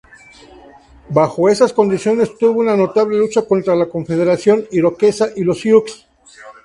Bajo esas condiciones tuvo una notable lucha contra la Confederación Iroquesa y los Siux.